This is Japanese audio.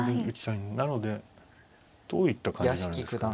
なのでどういった感じになるんですかね。